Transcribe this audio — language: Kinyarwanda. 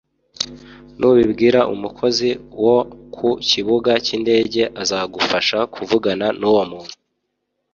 n’ubibwira umukozi wo ku kibuga cy’indege azagufasha kuvugana nuwo muntu